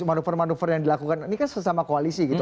manuver manuver yang dilakukan ini kan sesama koalisi gitu